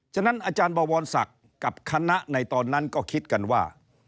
ฉะนั้นอาจารย์บวรศักดิ์กับคณะในตอนนั้นก็คิดกันว่า